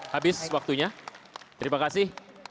habis waktunya terima kasih